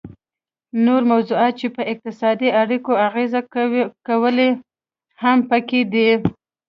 نور موضوعات چې په اقتصادي اړیکو اغیزه کوي هم پکې دي